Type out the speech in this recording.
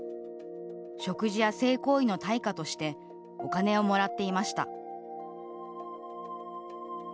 食事や性行為の対価としてお金をもらっていました。